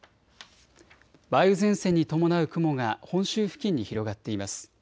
梅雨前線に伴う雲が本州付近に広がっています。